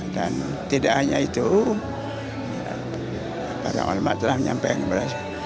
dan tidak hanya itu para ulama telah menyampaikan berasal